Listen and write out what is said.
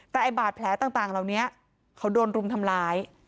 แต่ไอ้บาดแผลต่างเหล่านี้เขาโดนรุมทำร้าย